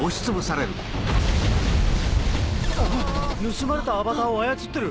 盗まれたアバターを操ってる！